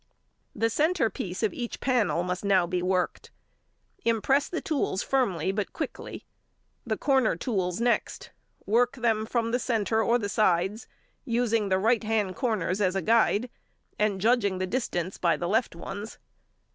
The centre piece of each panel must now be worked. Impress the tools firmly but quickly. The corner tools next; work them from the centre or sides, using the right hand corners as a guide, and judging the distance by the left ones.